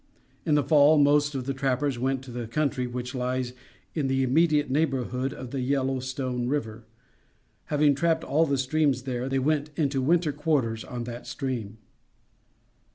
In the fall, most of the trappers went to the country which lies in the immediate neighborhood of the Yellow Stone River. Having trapped all the streams there, they went into winter quarters on that stream.